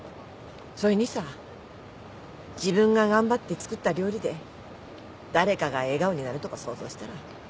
そいにさ自分が頑張って作った料理で誰かが笑顔になるとこ想像したら。